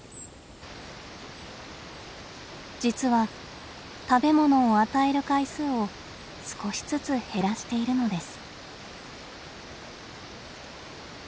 実は食べ物を与える回数を少しずつ減らしているのです。